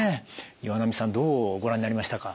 岩波さんどうご覧になりましたか。